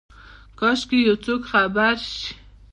کاشکي یوڅوک خبر شي،